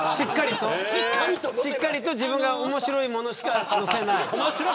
しっかりと自分が面白いものしか載せない。